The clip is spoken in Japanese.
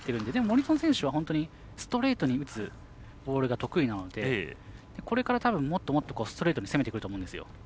でも森薗選手はストレートに打つボールが得意なのでこれからたぶん、もっともっとストレートに攻めてくると思うんですよ。